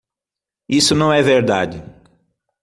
Isso não é verdade.